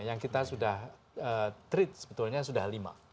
yang kita sudah treat sebetulnya sudah lima